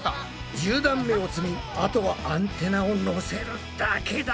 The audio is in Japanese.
１０段目を積みあとはアンテナをのせるだけだ。